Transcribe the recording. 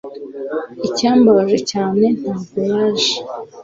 Icyambabaje cyane ntabwo yaje